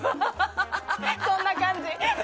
そんな感じ。